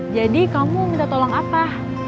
jadi kamu minta tolong apa